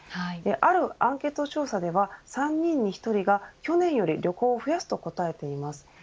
あるアンケート調査では３人に１人が去年より旅行を増やすと答えています。